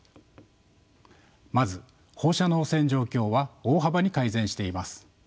まず放射能汚染状況は大幅に改善しています。